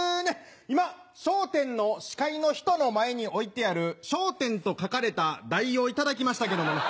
今『笑点』の司会の人の前に置いてある「笑点」と書かれた台を頂きましたけども。